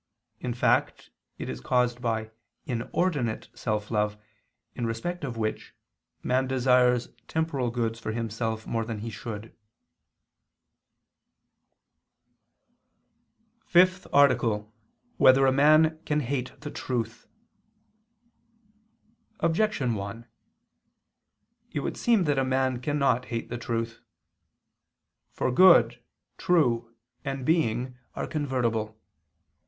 In fact, it is caused by inordinate self love, in respect of which, man desires temporal goods for himself more than he should. ________________________ FIFTH ARTICLE [I II, Q. 29, Art. 5] Whether a Man Can Hate the Truth? Objection 1: It would seem that a man cannot hate the truth. For good, true, and being are convertible.